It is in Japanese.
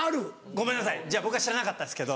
ごめんなさいじゃあ僕が知らなかったですけど。